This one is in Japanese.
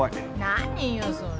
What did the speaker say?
何よそれ。